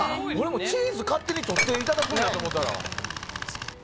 チーズを勝手にとっていただくんやと思った。